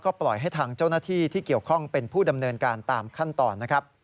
ปล่อยให้ทางเจ้าหน้าที่ที่เกี่ยวข้องเป็นผู้ดำเนินการตามขั้นตอนนะครับ